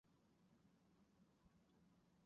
魔物不能烧毁自己的书。